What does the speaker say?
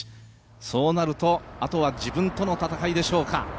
そうなるとあとは自分との闘いでしょうか。